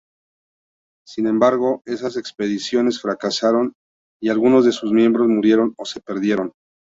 Sin embargo, esas expediciones fracasaron y algunos de sus miembros murieron o se perdieron.